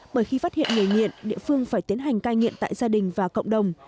bởi khi phát hiện người nghiện địa phương phải tiến hành cai nghiện tại gia đình và cộng đồng